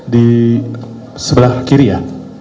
di sebelah kiri ya